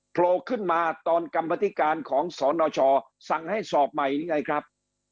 โผล่ขึ้นมาตอนกรรมธิการของสนชสั่งให้สอบใหม่หรือไงครับ